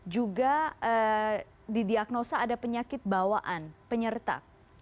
juga didiagnosa ada penyakit bawaan penyerta